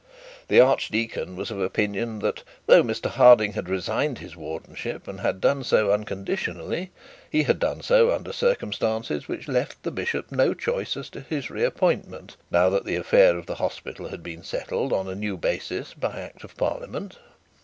The archdeacon was of the opinion, that though Mr Harding had resigned his wardenship, and had done so unconditionally, he had done so under circumstances which left the bishop no choice as to his re appointment, now that the affair of the hospital had been settled on a new basis by act of parliament.